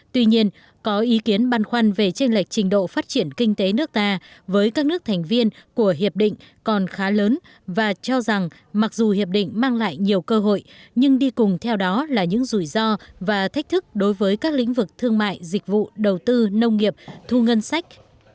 tuy nhiên có ý kiến băn khoăn về tranh lệch trình độ phát triển kinh tế nước ta với các nước thành viên của hiệp định còn khá lớn và cho rằng mặc dù hiệp định mang lại nhiều cơ hội nhưng đi cùng theo đó là những rủi ro và thách thức đối với các lĩnh vực thương mại dịch vụ đầu tư nông nghiệp thu ngân sách